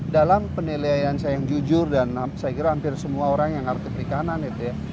dalam penilaian saya yang jujur dan saya kira hampir semua orang yang ngerti perikanan gitu ya